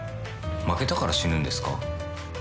「負けたから死ぬんですか？」